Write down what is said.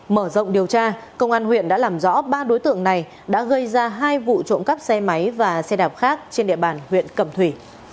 mở rộng điều tra công an huyện đã làm rõ ba đối tượng này đã gây ra hai vụ trộm cắp xe máy và xe đạp khác trên địa bàn huyện cẩm thủy